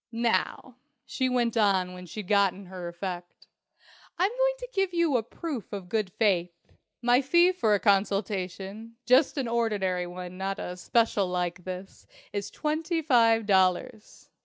"Now," she went on when she'd got her effect, "I'm going to give you a proof of good faith. My fee for a consultation just an ordinary one, not a special like this is twenty five dollars.